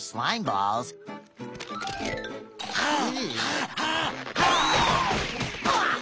はい。